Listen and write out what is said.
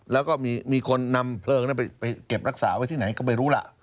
แล้วก็มีคนนำเพลิงไปเก็บรักษาไว้ที่ไหนก็ไม่รู้ล่ะ